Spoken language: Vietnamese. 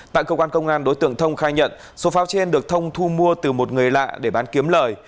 tại cơ quan công an đối tượng thông khai nhận số pháo trên được thông thu mua từ một người lạ để bán kiếm lời